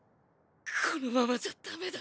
このままじゃダメだ！